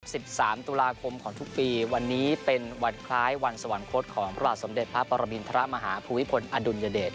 สิบสามตุลาคมของทุกปีวันนี้เป็นวันคล้ายวันสวรรคตของพระบาทสมเด็จพระปรมินทรมาฮาภูมิพลอดุลยเดช